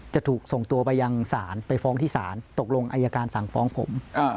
จะถูกส่งตัวไปยังศาลไปฟ้องที่ศาลตกลงอายการสั่งฟ้องผม